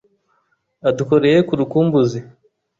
Adukoreye ku rukumbuzi